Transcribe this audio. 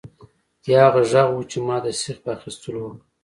یا هغه غږ و چې ما د سیخ په اخیستلو وکړ